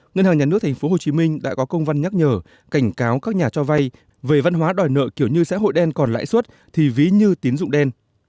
ngân hàng nhà nước tp hcm đã có công văn nhắc nhở cảnh cáo các nhà cho vay về văn hóa đòi nợ kiểu như xã hội đen còn lãi suất thì ví như tín dụng đen